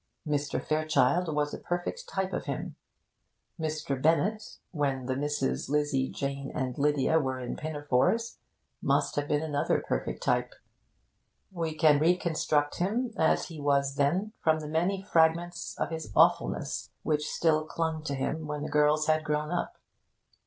Mr. Fairchild was a perfect type of him. Mr. Bennet, when the Misses Lizzie, Jane and Lydia were in pinafores, must have been another perfect type: we can reconstruct him as he was then from the many fragments of his awfulness which still clung to him when the girls had grown up.